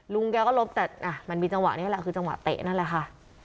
ลุงแกก็ลบแต่มันมีจังหวะนี้แหละคือจังหวะเตะนั่นแหละค่ะ